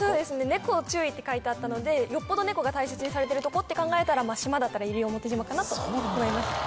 「ネコ注意」って書いてあったのでよっぽどネコが大切にされてるとこって考えたら島だったら西表島かなと思いました